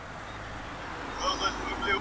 د ریا منبر ته خیژي ګناهکاره ثوابونه !.